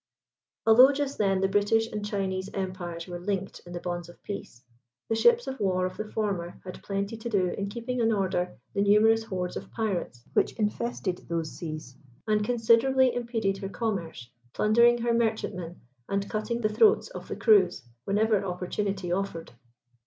Although just then the British and Chinese empires were linked in the bonds of peace, the ships of war of the former had plenty to do in keeping in order the numerous hordes of pirates which infested those seas, and considerably impeded her commerce, plundering her merchantmen, and cutting the throats of the crews whenever opportunity offered.